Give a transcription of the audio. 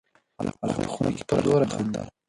هلک په خونه کې په زوره خندل.